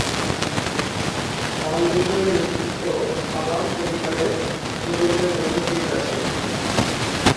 ফাউন্ডেশনের নেতৃত্ব সালাম পরিবারে প্রজন্মের মধ্য দিয়ে গেছে।